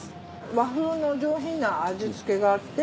和風の上品な味つけがあって。